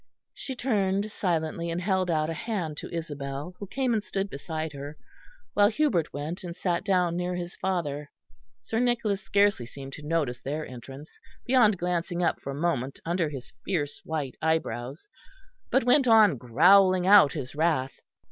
She turned silently and held out a hand to Isabel, who came and stood beside her, while Hubert went and sat down near his father. Sir Nicholas scarcely seemed to notice their entrance, beyond glancing up for a moment under his fierce white eyebrows; but went on growling out his wrath.